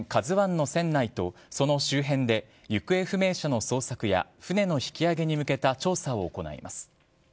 ＫＡＺＵＩの船内とその周辺で行方不明者の捜索や、船の引き揚げに向けた調査を行います。